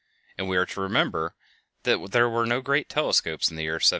And we are to remember that there were no great telescopes in the year 1729.